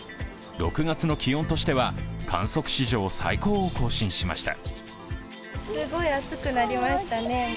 ６月の気温としては観測史上最高を更新しました。